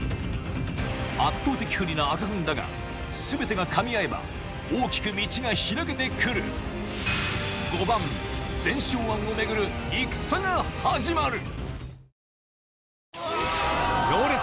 圧倒的不利な赤軍だが全てがかみ合えば大きく道が開けて来るが始まる！